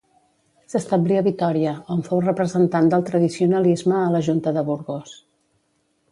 S'establí a Vitòria, on fou representant del tradicionalisme a la Junta de Burgos.